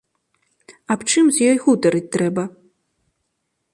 Аб чым з ёй гутарыць трэба?